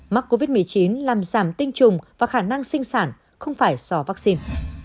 mắc covid một mươi chín làm giảm tinh trùng và khả năng sinh sản không phải so vaccine